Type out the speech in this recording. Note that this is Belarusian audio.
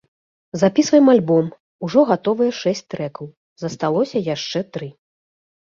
Запісваем альбом, ужо гатовыя шэсць трэкаў, засталося яшчэ тры.